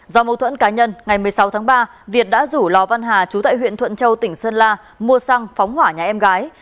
do mâu thuẫn cá nhân ngày một mươi sáu tháng ba việt đã rủ lò văn hà chú tại huyện thuận châu tỉnh sơn la mua xăng phóng hỏa nhà em gái